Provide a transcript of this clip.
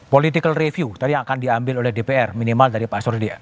political review tadi yang akan diambil oleh dpr minimal dari pak surya